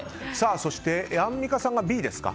そしてアンミカさんがＢですか。